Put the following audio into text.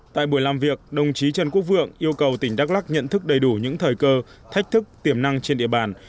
tại buổi làm việc đồng chí trần quốc vượng yêu cầu tỉnh đắk lắc nhận thức đầy đủ những thời cơ thách thức tiềm năng trên địa bàn